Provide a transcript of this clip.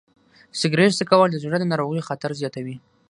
سګریټ څکول د زړه د ناروغیو خطر زیاتوي.